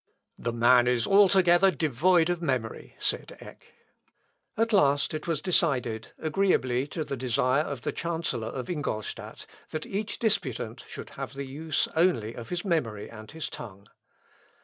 "The man is altogether devoid of memory," said Eck. At last it was decided, agreeably to the desire of the chancellor of Ingolstadt, that each disputant should have the use only of his memory and his tongue.